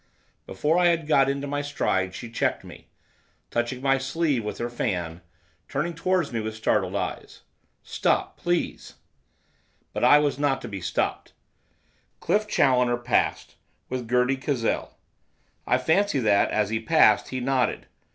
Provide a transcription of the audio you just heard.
Before I had got into my stride she checked me, touching my sleeve with her fan, turning towards me with startled eyes. 'Stop, please!' But I was not to be stopped. Cliff Challoner passed, with Gerty Cazell. I fancy that, as he passed, he nodded.